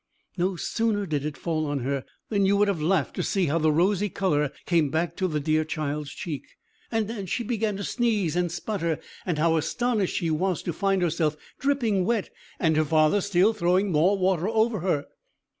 No sooner did it fall on her than you would have laughed to see how the rosy colour came back to the dear child's cheek! and how she began to sneeze and sputter! and how astonished she was to find herself dripping wet, and her father still throwing more water over her!